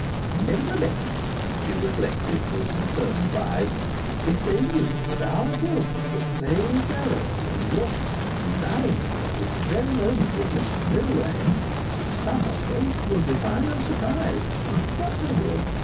"Nevertheless," she reflected with consoling pride, "if they knew that our Gilbert was playing 'cello in the orchestra and dining at this very moment with Mr Millwain, some of them would be fine and surprised, that they would!"